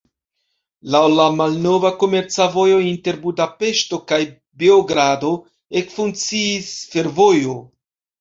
Laŭ la malnova komerca vojo inter Budapeŝto kaj Beogrado ekfunkciis fervojo.